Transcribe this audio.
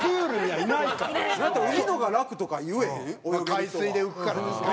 海水で浮くからですか？